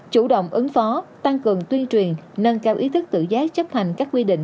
chủ động ứng phó tăng cường tuyên truyền nâng cao ý thức tự giác chấp hành các quy định